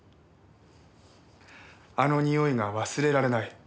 あのにおいが忘れられない。